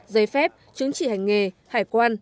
giấy phép chứng chỉ hành nghề hải quan